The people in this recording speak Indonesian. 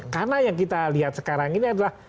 karena yang kita lihat sekarang ini adalah